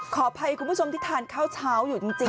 ขออภัยคุณผู้ชมที่ทานข้าวเช้าอยู่จริง